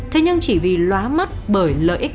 thế nhưng chỉ vì lóa mắt bởi lợi ích